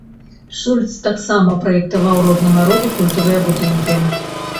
Шульц таксама праектаваў рознага роду культавыя будынкі.